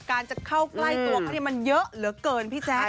การจะเข้าใกล้ตัวเขามันเยอะเหลือเกินพี่แจ๊ค